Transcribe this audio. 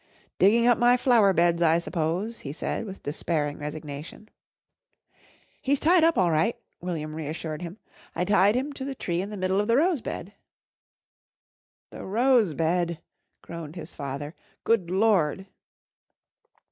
"Digging up my flower beds, I suppose," he said with despairing resignation. "He's tied up all right," William reassured him. "I tied him to the tree in the middle of the rose bed." "The rose bed!" groaned his father. "Good Lord!"